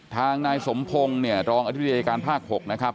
ทางนายสมพงศ์เนี่ยรองอธิบดีอายการภาค๖นะครับ